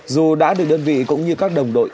dù đã được đơn vị cũng như các đồng đội